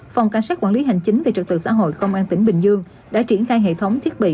phòng cảnh sát quản lý hành chính về trật tự xã hội công an tỉnh bình dương đã triển khai hệ thống thiết bị